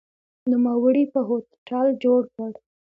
نوموړي په هوټل جوړ کړ.